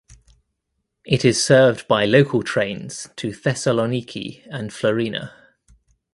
It is served by local trains to Thessaloniki and Florina.